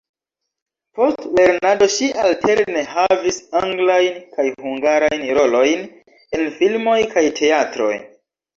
Post lernado ŝi alterne havis anglajn kaj hungarajn rolojn en filmoj kaj teatroj.